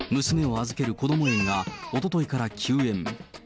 娘を預けるこども園が、おとといから休園。